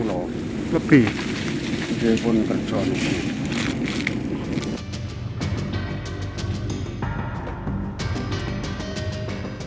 lebih mungkin selama sepuluh tahun